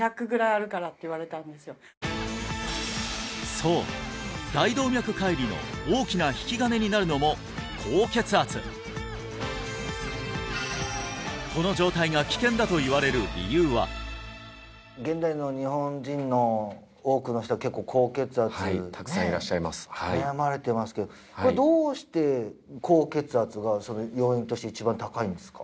そう大動脈解離の大きな引き金になるのも高血圧この状態が危険だといわれる理由は現代の日本人の多くの人は結構高血圧でねはいたくさんいらっしゃいます悩まれてますけどこれどうして高血圧が要因として一番高いんですか？